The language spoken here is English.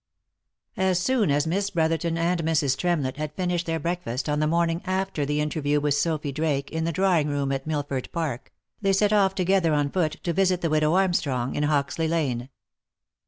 As soon as Miss Brother ton and Mrs. Tremlett had finished their breakfast on the morning after the interview with Sophy Drake in the drawing room at Milford Park, they set off together on foot to visit the widow Armstrong in Hoxley lane.